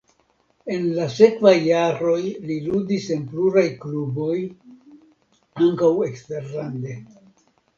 En la sekvaj jaroj li ludis en pluraj kluboj ankaŭ eksterlande.